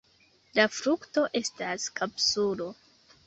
La frukto estas kapsulo.